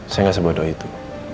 saya gak sebodoh itu